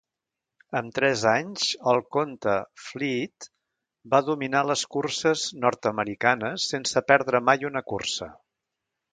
Amb tres anys, el conte Fleet va dominar les curses nord-americanes, sense perdre mai una cursa.